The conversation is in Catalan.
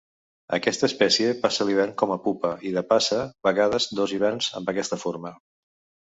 Aquesta espècie passa l'hivern com a pupa i de passa vegades dos hiverns amb aquesta forma.